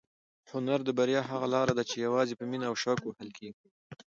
هنر د بریا هغه لاره ده چې یوازې په مینه او شوق وهل کېږي.